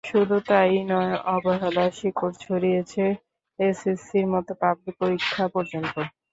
শুধু তা-ই নয়, অবহেলার শিকড় ছড়িয়েছে এসএসসির মতো পাবলিক পরীক্ষা পর্যন্ত।